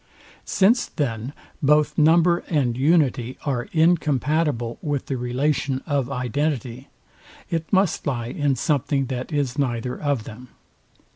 Since then both number and unity are incompatible with the relation of identity, it must lie in something that is neither of them.